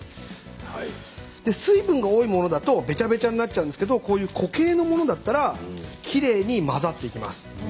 水分が多いものだとべちゃべちゃになっちゃうんですけどこういう固形のものだったらきれいに混ざっていきます。